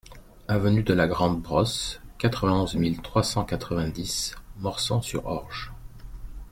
Avenue de la Grande Brosse, quatre-vingt-onze mille trois cent quatre-vingt-dix Morsang-sur-Orge